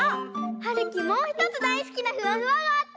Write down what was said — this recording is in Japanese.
はるきもうひとつだいすきなフワフワがあった！